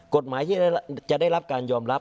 กฎหมายที่จะได้รับการยอมรับ